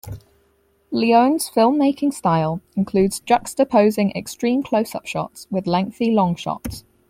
Leone's film-making style includes juxtaposing extreme close-up shots with lengthy long shots.